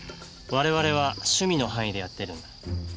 我々は趣味の範囲でやってるんだ。